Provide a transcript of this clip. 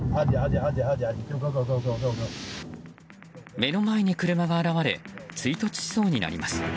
目の前に車が現れ追突しそうになります。